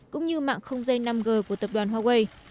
cũng như mạng không dây năm g của tập đoàn huawei